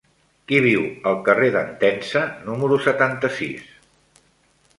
Qui viu al carrer d'Entença número setanta-sis?